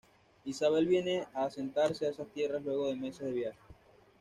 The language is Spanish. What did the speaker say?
Isabel viene a asentarse a esas tierras luego de meses de viaje.